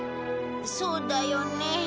そうだよね。